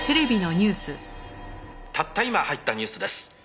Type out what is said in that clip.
「たった今入ったニュースです」